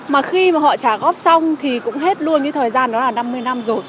mà khi mà họ trả góp xong thì cũng hết luôn cái thời gian đó là năm mươi năm rồi